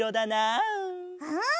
うん！